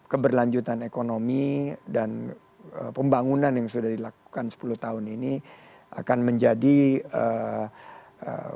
keberlanjutan ekonomi dan pembangunan yang sudah dilakukan sepuluh tahun ini akan menjadi ee